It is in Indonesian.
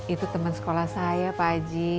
itu teman sekolah saya pak aji